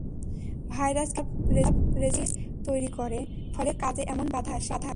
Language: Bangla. ভাইরাস কিছু খারাপ রেজিস্ট্রি তৈরি করে, ফলে কাজে এমন বাধা আসে।